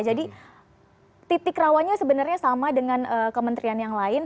jadi titik rawanya sebenarnya sama dengan kementerian yang lain